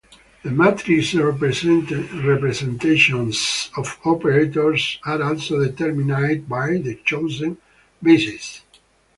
The matrix representations of operators are also determined by the chosen basis.